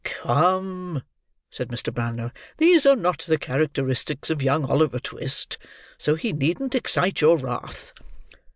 "Come," said Mr. Brownlow, "these are not the characteristics of young Oliver Twist; so he needn't excite your wrath."